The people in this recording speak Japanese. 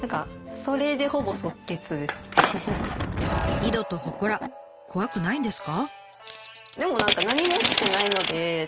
井戸と祠怖くないんですか？